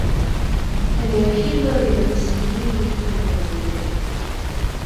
Eneo hilo lina misitu mingi sana na minene